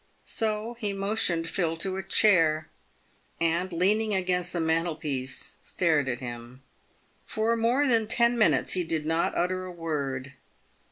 So he motioned Phil to a chair, and, leaning against the mantelpiece, stared at him. Eor more than ten minutes he did not utter a word.